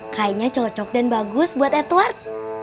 kainnya cocok dan bagus buat edward